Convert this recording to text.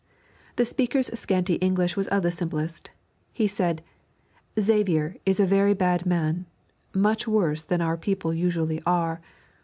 The speaker's scanty English was of the simplest. He said, 'Xavier is a very bad man, much worse than our people usually are.